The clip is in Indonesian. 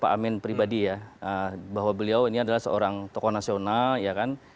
pak amin pribadi ya bahwa beliau ini adalah seorang tokoh nasional ya kan